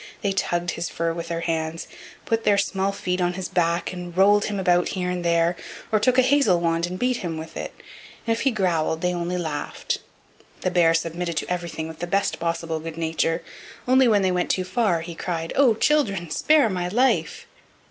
They tugged his fur with their hands, put their small feet on his back, and rolled him about here and there, or took a hazel wand and beat him with it; and if he growled they only laughed. The bear submitted to everything with the best possible good nature, only when they went too far he cried: "Oh! children, spare my life!